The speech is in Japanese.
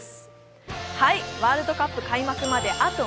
ワールドカップ開幕まであと６日。